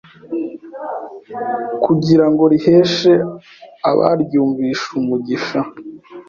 kugira ngo riheshe abaryumvise umugisha